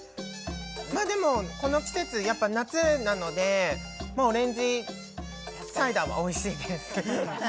まあでもこの季節やっぱ夏なのでまあオレンジサイダーはおいしいです。